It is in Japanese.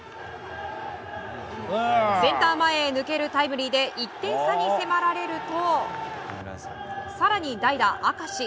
センター前へ抜けるタイムリーで１点差に迫られると更に代打、明石。